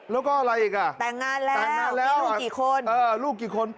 แล้วก็อะไรอีกอ่ะแต่งงานแล้วลูกกี่คน